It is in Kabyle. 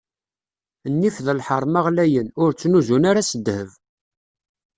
Nnif d lḥerma ɣlayen, ur ttnuzzun ara s ddheb.